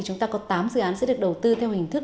chúng ta có tám dự án sẽ được đầu tư theo hình thức